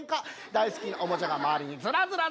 大好きなおもちゃが周りにズラズラズラ。